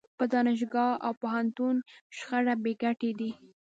په دانشګاه او پوهنتون شخړه بې ګټې ده.